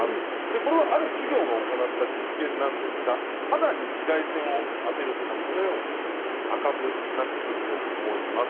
これはある企業が行った実験なんですが肌に紫外線を当てると赤くなってくると思います。